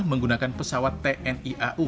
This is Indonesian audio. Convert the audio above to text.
menggunakan pesawat tni au